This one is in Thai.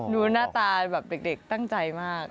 ดูหน้าตาแบบเด็กตั้งใจมาก